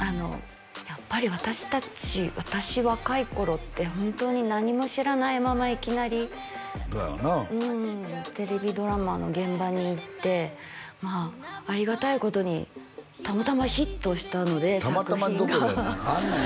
やっぱり私達私若い頃って本当に何も知らないままいきなりそうやろうなテレビドラマの現場に行ってまあありがたいことにたまたまヒットしたので作品がたまたまどころやないあんなん